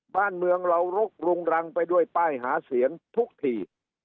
บ้านเมืองเรารุกรุงรังไปด้วยป้ายหาเสียงทุกที